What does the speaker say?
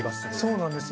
そうなんです